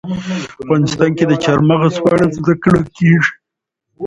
افغانستان کې د چار مغز په اړه زده کړه کېږي.